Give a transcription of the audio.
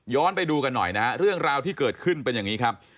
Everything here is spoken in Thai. ไปดูกันหน่อยนะฮะเรื่องราวที่เกิดขึ้นเป็นอย่างนี้ครับ